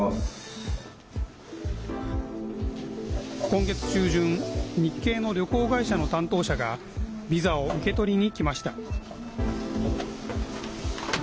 今月中旬日系の旅行会社の担当者がビザを受け取りに来ました。